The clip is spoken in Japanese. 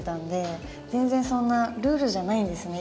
全然そんなルールじゃないんですね。